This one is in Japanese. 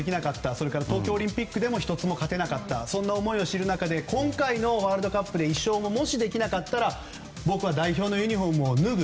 それから東京オリンピックでも１つも勝てなかったそんな思いを知る中で今回のワールドカップで１勝ももしできなかったら僕は代表のユニホームを脱ぐ。